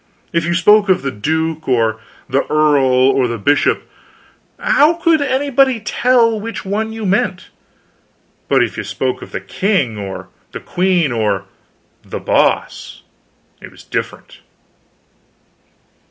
If you spoke of the duke, or the earl, or the bishop, how could anybody tell which one you meant? But if you spoke of The King or The Queen or The Boss, it was different.